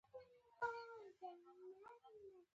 ځکه چې زوی مې ونه لید او تقریبا درې ثانیې وروسته